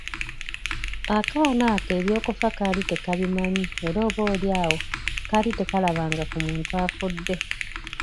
Akaana ko eby'okufa kaali tekabimanyi era oba oli awo kaali tekalabanga ku muntu afudde.